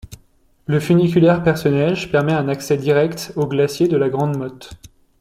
Le funiculaire Perce-Neige permet un accès direct au glacier de la Grande Motte.